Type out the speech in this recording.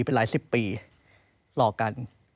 เป็นหลายสิบปีหลอกกัน